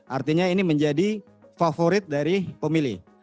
artinya ini menjadi favorit dari pemilih